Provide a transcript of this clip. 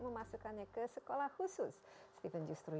merasa mereka ada di sana selama lamanya